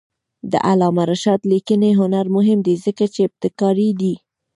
د علامه رشاد لیکنی هنر مهم دی ځکه چې ابتکاري دی.